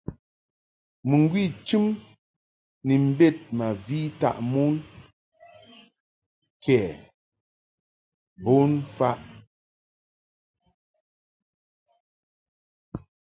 Mɨŋgwi chɨm ni mbed ma vi taʼ mon ke bon mfaʼ.